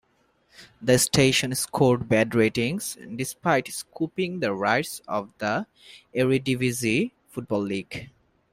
The station scored bad ratings, despite scooping the rights of the Eredivisie football league.